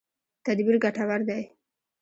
تدبیر ګټور دی.